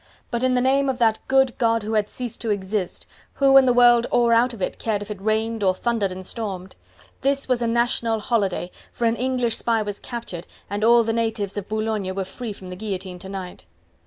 But in the name of that good God who had ceased to exist, who in the world or out of it cared if it rained, or thundered and stormed! This was a national holiday, for an English spy was captured, and all natives of Boulogne were free of the guillotine to night.